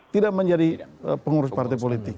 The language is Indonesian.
tidak menjadi pengurus partai politik